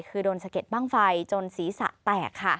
คือโดนสะเก็ดบ้างไฟจนศีรษะแตกค่ะ